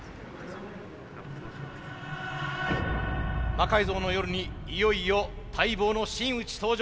「魔改造の夜」にいよいよ待望の真打ち登場です。